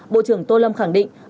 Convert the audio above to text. bộ trưởng tô lâm khẳng định